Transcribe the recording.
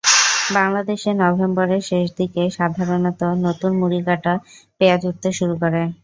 বাংলাদেশে নভেম্বরের শেষ দিকে সাধারণত নতুন মুড়িকাটা পেঁয়াজ উঠতে শুরু করে।